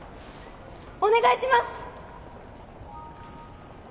お願いします！